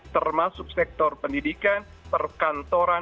termasuk sektor pendidikan perkantoran dan juga pendidikan